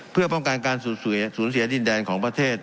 เพื่อป้องกันการสูญเสียดินแดนของประเทศ